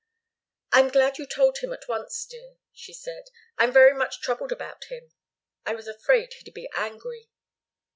"I'm glad you told him at once, dear," she said. "I'm very much troubled about him. I was afraid he'd be angry."